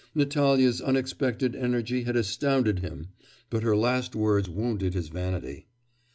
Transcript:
Natalya's unexpected energy had astounded him; but her last words wounded his vanity.